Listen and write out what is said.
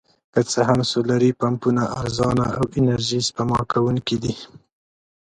که څه هم سولري پمپونه ارزانه او انرژي سپما کوونکي دي.